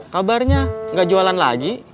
kabarnya gak jualan lagi